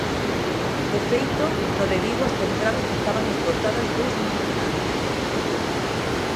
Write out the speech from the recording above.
De feito, no de Vigo as entradas estaban esgotadas dous meses antes.